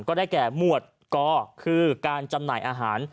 ก็ได้แก่หมวดกคือการจำหน่ายอาหาร